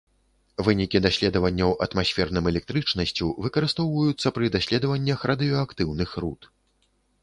Вынікі даследаванняў атмасферным электрычнасцю выкарыстоўваюцца пры даследаваннях радыеактыўных руд.